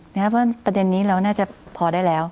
เพราะประเด็นนี้เราน่าจะพอได้แล้ว